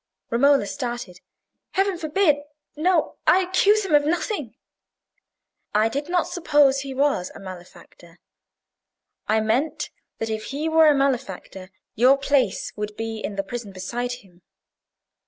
Romola started. "Heaven forbid! No; I accuse him of nothing." "I did not suppose he was a malefactor. I meant, that if he were a malefactor, your place would be in the prison beside him.